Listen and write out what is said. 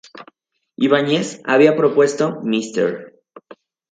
Ibáñez había propuesto "Mr.